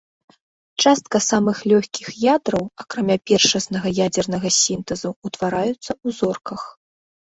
Частка самых лёгкіх ядраў, акрамя першаснага ядзернага сінтэзу, ўтвараюцца ў зорках.